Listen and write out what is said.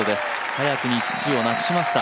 早くに父を亡くしました。